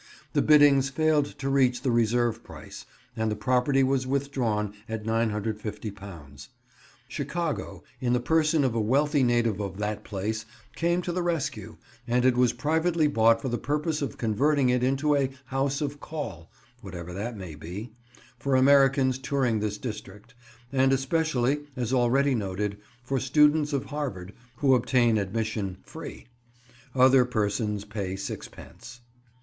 The biddings failed to reach the reserve price and the property was withdrawn at £950. Chicago, in the person of a wealthy native of that place, came to the rescue, and it was privately bought for the purpose of converting it into a "house of call," whatever that may be, for Americans touring this district, and especially, as already noted, for students of Harvard—who obtain admission free. Other persons pay sixpence.